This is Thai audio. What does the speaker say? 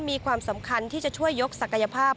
มีความสำคัญที่จะช่วยยกศักยภาพ